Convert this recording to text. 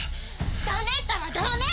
ダメったらダメ！